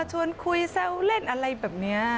ชวนคุยแซวเล่นอะไรแบบนี้